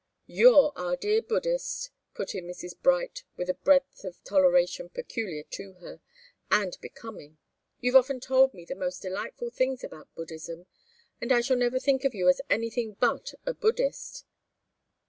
"You're our dear Buddhist!" put in Mrs. Bright, with a breadth of toleration peculiar to her, and becoming. "You've often told me the most delightful things about Buddhism, and I shall never think of you as anything but a Buddhist."